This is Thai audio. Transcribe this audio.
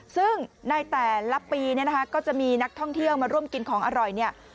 ซึ่งในแต่ละปีเนี่ยนะคะก็จะมีนักท่องเที่ยวมาร่วมกินของอร่อยเนี่ย